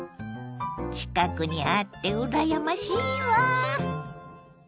近くにあってうらやましいわ。